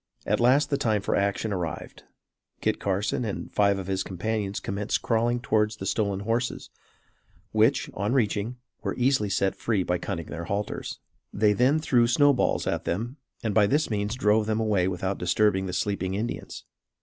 At last the time for action arrived. Kit Carson and five of his companions commenced crawling towards the stolen horses, which, on reaching, were easily set free by cutting their halters. They then threw snow balls at them and by this means drove them away without disturbing the sleeping Indians.